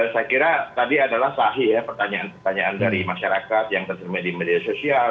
saya kira tadi adalah sahih ya pertanyaan pertanyaan dari masyarakat yang terserma di media sosial